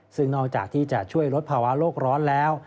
ซึ่งนอกจากที่จะช่วยลดภาวะโลกร้อนแล้ว